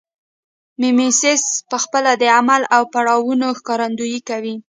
میمیسیس پخپله د عمل او پړاوونو ښکارندویي کوي